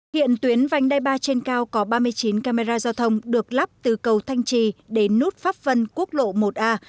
hiện tuyến vành đai ba trên cao có ba mươi chín camera giao thông được lắp từ cầu thanh trì đến nút pháp vân quốc lộ một a